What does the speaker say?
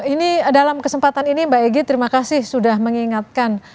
ini dalam kesempatan ini mbak egy terima kasih sudah mengingatkan